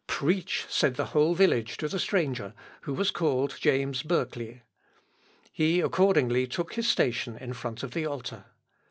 "Preach," said the whole village to the stranger, who was called James Burkli. He accordingly took his station in front of the altar.